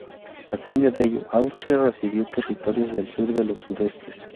A cambio de ello, Austria recibió territorios del sur de los Sudetes.